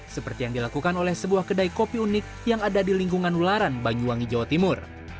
seperti yang dilakukan oleh sebuah kedai kopi unik yang ada di lingkungan ularan banyuwangi jawa timur